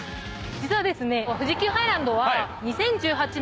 実はですね。